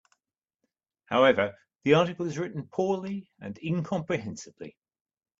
However, the article is written poorly and incomprehensibly.